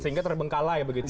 sehingga terbengkalai begitu